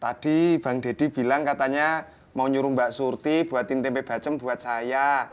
tadi bang deddy bilang katanya mau nyuruh mbak surti buatin tempe bacem buat saya